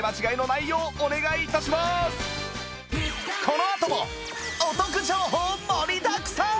このあともお得情報盛りだくさん！